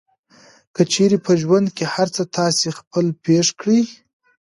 که چېرې په ژوند کې هر څه تاسې خپله پېښ کړئ.